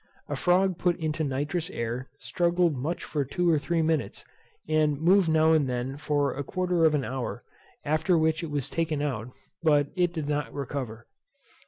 A frog put into nitrous air struggled much for two or three minutes, and moved now and then for a quarter of an hour, after which it was taken out, but did not recover.